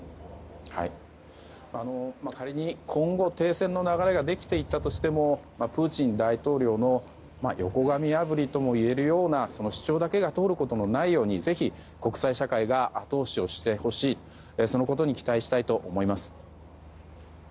仮に今後、停戦の流れができていったとしてもプーチン大統領の横紙破りともいえるような主張だけが通ることのないようにぜひ国際社会が後押ししてほしいそのことに期待したいと思います。